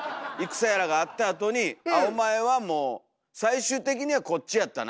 戦やらがあったあとに「お前はもう最終的にはこっちやったな」。